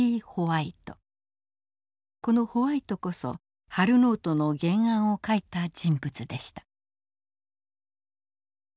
このホワイトこそハル・ノートの原案を書いた人物でした。